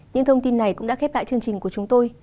những thông tin này cũng đã khép lại chương trình của chúng tôi